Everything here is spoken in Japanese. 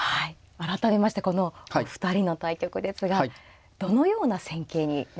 改めましてこのお二人の対局ですがどのような戦型になりそうでしょうか。